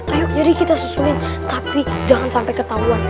ayo jadi kita sesuaiin tapi jangan sampai ketahuan